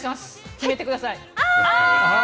決めてください。